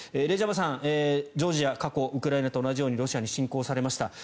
レジャバさん、ジョージア過去、ウクライナと同じようにロシアに侵攻されました。